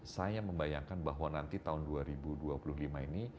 saya membayangkan bahwa nanti tahun dua ribu dua puluh lima ini